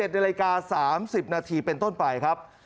๑นาฬิกา๓๐นาทีเป็นต้นไปครับ